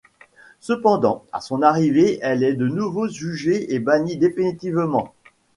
Cependant, à son arrivée elle est de nouveau jugée et bannie définitivement.